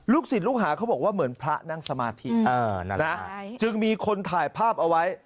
ศิลปลูกหาเขาบอกว่าเหมือนพระนั่งสมาธิจึงมีคนถ่ายภาพเอาไว้